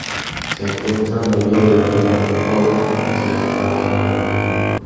Se encuentra a la orilla del río Oder que lo separa de Polonia.